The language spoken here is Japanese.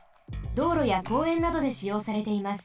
どうろやこうえんなどでしようされています。